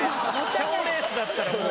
賞レースだったらもう。